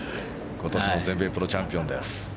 今年の全米プロチャンピオンです。